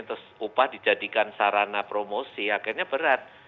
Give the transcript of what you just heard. terus upah dijadikan sarana promosi akhirnya berat